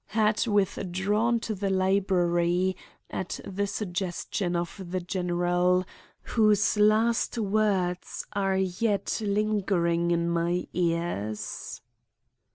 —had withdrawn to the library at the suggestion of the general, whose last words are yet lingering in my ears.